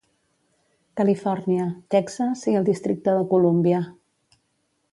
Califòrnia, Texas i el districte de Colúmbia.